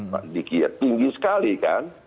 pak diki ya tinggi sekali kan